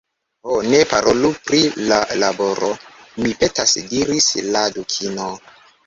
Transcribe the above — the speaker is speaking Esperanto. "Ho, ne parolu pri la laboro, mi petas," diris la Dukino. "